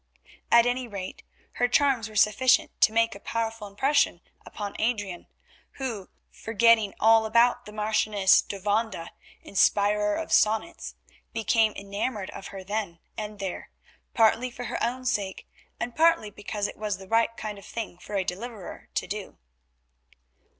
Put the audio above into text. At any rate, her charms were sufficient to make a powerful impression upon Adrian, who, forgetting all about the Marchioness d'Ovanda, inspirer of sonnets, became enamoured of her then and there; partly for her own sake and partly because it was the right kind of thing for a deliverer to do.